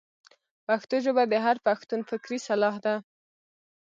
پښتو ژبه د هر پښتون فکري سلاح ده.